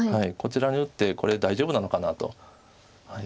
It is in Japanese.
こちらに打ってこれ大丈夫なのかなと。